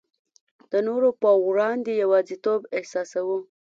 د نورو په وړاندي یوازیتوب احساسوو.